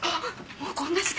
もうこんな時間。